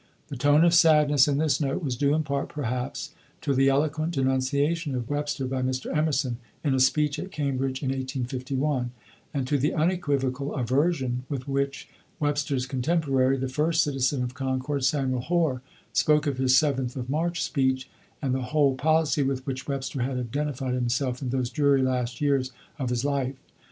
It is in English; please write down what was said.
The tone of sadness in this note was due, in part, perhaps, to the eloquent denunciation of Webster by Mr. Emerson in a speech at Cambridge in 1851, and to the unequivocal aversion with which Webster's contemporary, the first citizen of Concord, Samuel Hoar, spoke of his 7th of March speech, and the whole policy with which Webster had identified himself in those dreary last years of his life.